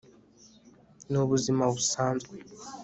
ni ubuzima busanzwe